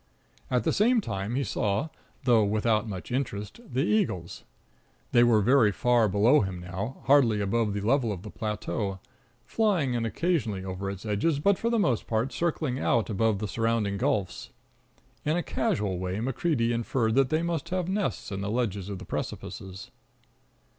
At the same time he saw, though without much interest, the eagles. They were very far below him now, hardly above the level of the plateau, flying in occasionally over its edges, but for the most part circling out above the surrounding gulfs. In a casual way MacCreedy inferred that they must have nests in the ledges of the precipices.